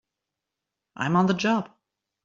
I'm on the job!